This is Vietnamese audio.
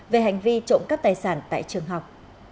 về hành vi trộm cắp tài sản tại trường học